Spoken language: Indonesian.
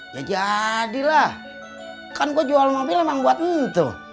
ya jadilah kan gue jual mobil emang buat muntuh